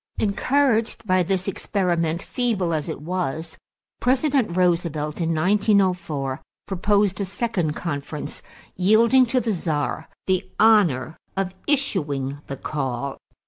Encouraged by this experiment, feeble as it was, President Roosevelt in 1904 proposed a second conference, yielding to the Czar the honor of issuing the call.